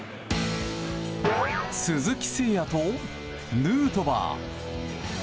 鈴木誠也とヌートバー。